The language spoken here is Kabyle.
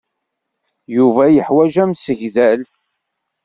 Yuba yeḥwaǧ amsegdal.